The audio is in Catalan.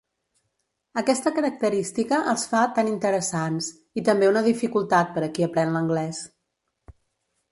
Aquesta característica els fa tan interessants i també una dificultat per a qui aprèn l'anglès.